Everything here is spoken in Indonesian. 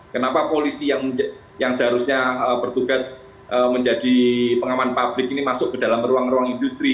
kenapa polisi yang seharusnya bertugas menjadi pengaman publik ini masuk ke dalam ruang ruang industri